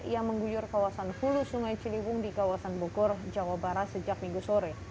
yang mengguyur kawasan hulu sungai ciliwung di kawasan bogor jawa barat sejak minggu sore